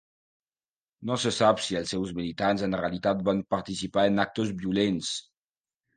No se sap si els seus militants en realitat van participar en actes violents.